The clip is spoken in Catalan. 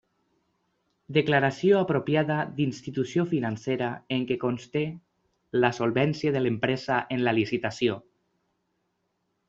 Declaració apropiada d'institució financera en què conste la solvència de l'empresa en la licitació.